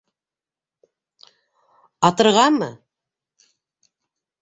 Атырғамы?